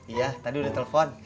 iya tadi udah telepon